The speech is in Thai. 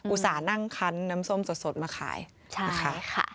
อุตส่านั่งคั้นน้ำส้มสดมาขายใช่ค่ะ